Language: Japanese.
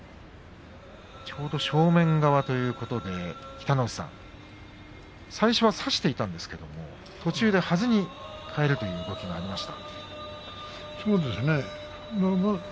正面側ということで北の富士さん最初は差していったんですが途中ではずにかえるという動きがありました。